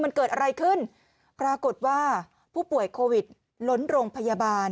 มันเกิดอะไรขึ้นปรากฏว่าผู้ป่วยโควิดล้นโรงพยาบาล